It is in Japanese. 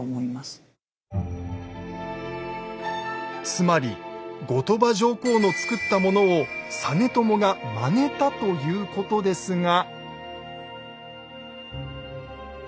つまり後鳥羽上皇の造ったものを実朝がまねたということですが。